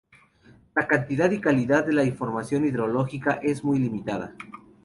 La cantidad y calidad de la información hidrológica es muy limitada.